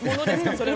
それは。